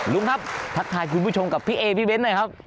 ลุงครับทักทายคุณผู้ชมกับพี่เอพี่เบ้นหน่อยครับ